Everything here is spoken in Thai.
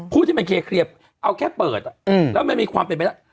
พูดที่แคลบเอาแค่เปิดแล้วไม่มีความเป็นไปแล้ว